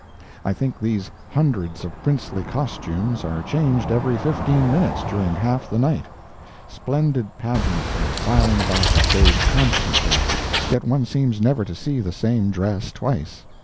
I think these hundreds of princely costumes are changed every fifteen minutes during half the night; splendid pageants are filing about the stage constantly, yet one seems never to see the same dress twice.